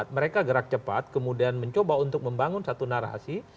mereka gerak cepat kemudian mencoba untuk membangun satu narasi